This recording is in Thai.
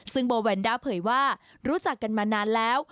ซึ่งโบแวนด้าเผยว่ารู้จักกันมานานแล้ว